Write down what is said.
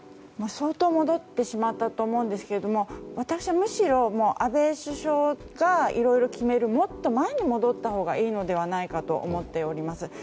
相当戻ってしまったと思うんですけれども私むしろ安倍首相がいろいろ決めるもっと前に戻ったほうがいいのではないかと思っております。